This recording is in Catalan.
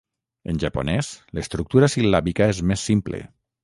En japonès, l'estructura sil·làbica és més simple.